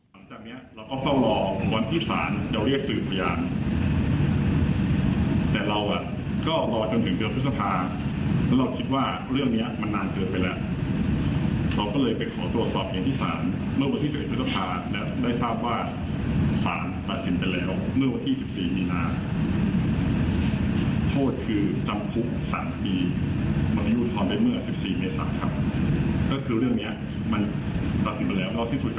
โทษคือจำคุก๓๐ปีมริยุทรได้เมื่อ๑๔เมษาครับก็คือเรื่องเนี่ยมันประสิทธิ์ไปแล้วเราที่สุดกลับอุทธรไปแล้ว